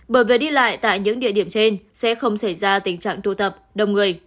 bởi vì đi lại tại những địa điểm trên sẽ không xảy ra tình trạng thu thập đông người